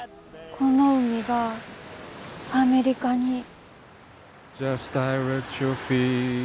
この海がアメリカに。